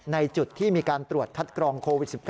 ในจุดที่มีการตรวจคัดกรองโควิด๑๙